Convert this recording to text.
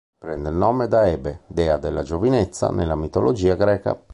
Prende il nome da Ebe, dea della giovinezza nella mitologia greca.